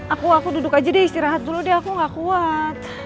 aku aku duduk aja deh istirahat dulu deh aku gak kuat